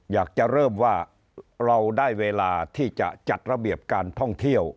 อยากจะเริ่มว่าเราได้เวลาที่จะจัดระเบียบการท่องเที่ยว